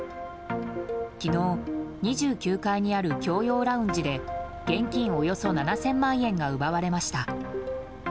昨日２９階にある共用ラウンジで現金およそ７０００万円が奪われました。